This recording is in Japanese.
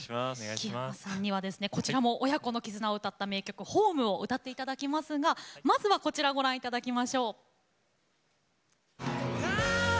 木山さんにはこちらも親子の絆を歌った名曲「ｈｏｍｅ」を歌っていただきますが、まずはこちらをご覧いただきましょう。